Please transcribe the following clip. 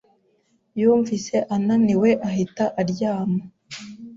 yumvise ananiwe ahita aryama